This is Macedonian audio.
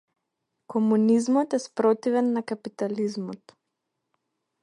Комунизмот е спротивен на капитализмот.